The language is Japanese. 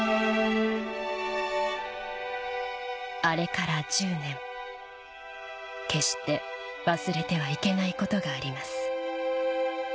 あれから１０年決して忘れてはいけないことがあります